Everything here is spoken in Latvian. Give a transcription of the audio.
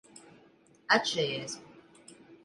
Atšujies!